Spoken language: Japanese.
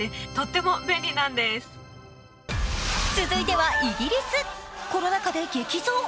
続いてはイギリス、コロナ禍で激増。